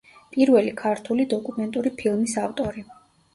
პირველი ქართული დოკუმენტური ფილმის ავტორი.